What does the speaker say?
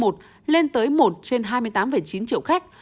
một trên hai mươi tám chín triệu khách